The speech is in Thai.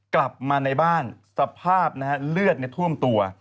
กลับมาในบ้านสภาพนะฮะเลือดท่วมตัว